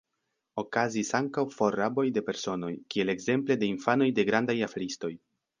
Okazis ankaŭ forraboj de personoj, kiel ekzemple de infanoj de grandaj aferistoj.